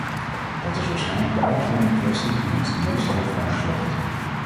Dat is waarschijnlijk de algemene kwestie die ons de meeste hoofdpijn bezorgt.